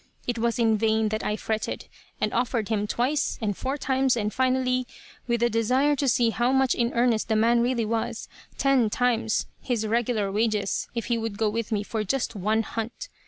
It was in vain that I fretted, and offered him twice, and four times, and, finally with a desire to see how much in earnest the man really was ten times his regular wages if he would go with me for just one hunt.